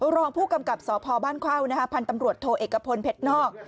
รองผู้กำกับสพบ้านเข้าพันธ์ตำรวจโทเอกพลเพชรนอก